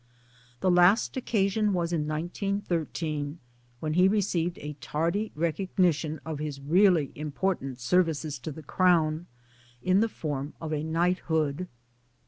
The last occasion was in 1913 when he received a tardy recognition of his really important services to the Crown in the form of a knighthood.